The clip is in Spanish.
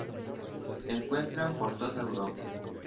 Se encuentran por toda Europa.